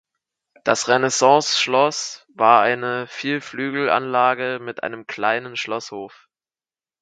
Das Renaissanceschloss war eine Vierflügelanlage mit einem kleinen Schlosshof.